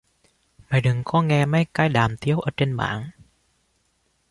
Mày đừng có nghe mấy cái đàm tiếu ở trên mạng